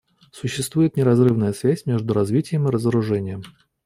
Существует неразрывная связь между развитием и разоружением.